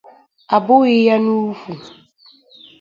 a bụghị ya n'ukwu